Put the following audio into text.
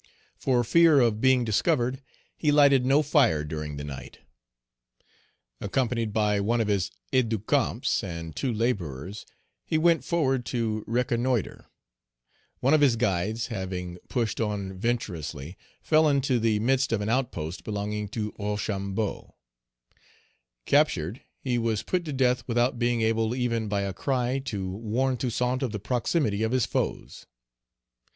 For fear of being discovered, he lighted no fire during the night. Accompanied by one of his aide de camps and two laborers, he went forward to reconnoitre. One of his guides, having pushed on venturously, fell into the midst of an outpost belonging to Rochambeau. Captured, he was put to death without being able even by a cry to warn Toussaint of the proximity of his foes.